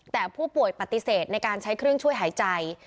แต่ผู้ป่วยปฏิเสธในการใช้เครื่องช่วยหายใจ